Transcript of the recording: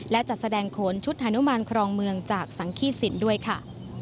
และจัดแสดงโขนชุดฮานุมานครองเมืองจากสังขี้สินด้วยค่ะ